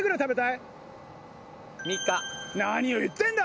何を言ってんだ！